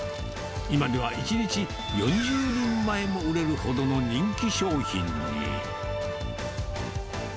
今では１日４０人前も売れるほどの人気商品に。